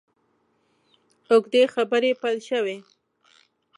اوږدې خبرې پیل شوې.